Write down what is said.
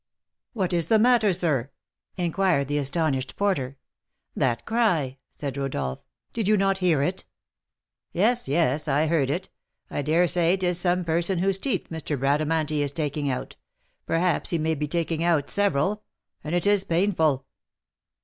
"What is the matter, sir?" inquired the astonished porter. "That cry!" said Rodolph; "did you not hear it?" "Yes, yes, I heard it; I dare say it is some person whose teeth M. Bradamanti is taking out; perhaps he may be taking out several, and it is painful!"